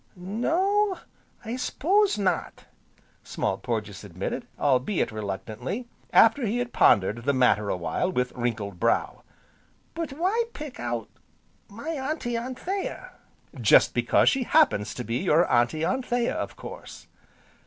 "No, I s'pose not!" Small Porges admitted, albeit reluctantly, after he had pondered the matter a while with wrinkled brow, "but why pick out my Auntie Anthea?" "Just because she happens to be your Auntie Anthea, of course."